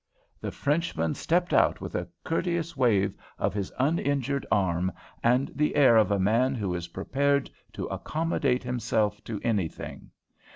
The Frenchman stepped out with a courteous wave of his uninjured arm, and the air of a man who is prepared to accommodate himself to anything.